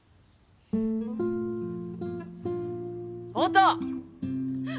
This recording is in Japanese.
音！